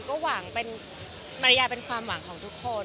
ใช่เราก็หวังเป็นมารยาทร์เป็นความหวังของทุกคน